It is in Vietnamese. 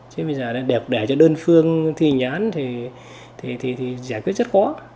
chứ bây giờ để cho đơn phương thi hành án thì giải quyết rất khó